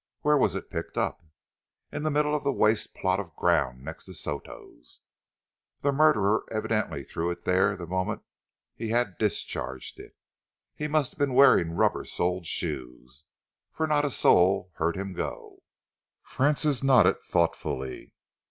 "Where was it picked up?" "In the middle of the waste plot of ground next to Soto's. The murderer evidently threw it there the moment he had discharged it. He must have been wearing rubber soled shoes, for not a soul heard him go." Francis nodded thoughtfully.